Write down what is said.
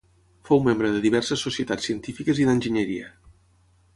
Fou membre de diverses societats científiques i d'enginyeria.